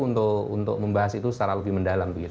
untuk membahas itu secara lebih mendalam